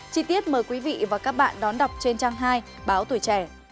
chi tiết mời quý vị và các bạn đón đọc trên trang hai báo tuổi trẻ